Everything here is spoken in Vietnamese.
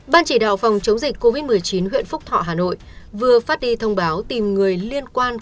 ban chỉ đạo phòng chống dịch covid một mươi chín huyện phúc thọ hà nội vừa phát đi thông báo tìm người liên quan